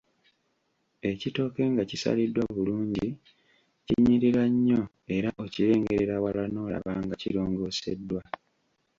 Ekitooke nga kisaliddwa bulungi, kinyirira nnyo era okirengerera wala n’olaba nga kirongooseddwa.